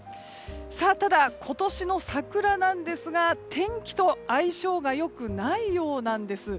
ただ今年の桜なんですが天気と相性が良くないようなんです。